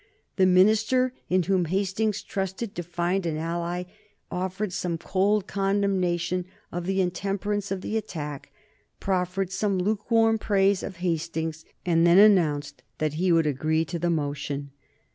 The minister in whom Hastings trusted to find an ally offered some cold condemnation of the intemperance of the attack, proffered some lukewarm praise to Hastings, and then announced that he would agree to the motion.